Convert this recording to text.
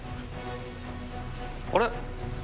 あれ？